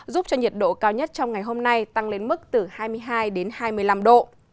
giúp cho nhiệt độ cao nhất trong ngày hôm nay tăng lên mức từ hai mươi hai đến hai mươi năm độ